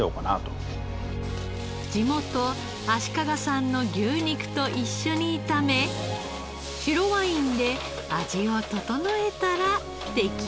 地元足利産の牛肉と一緒に炒め白ワインで味を調えたら出来上がり。